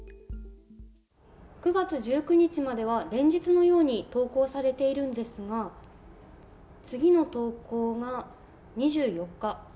９月１９日までは連日のように投稿されているんですが次の投稿が２４日。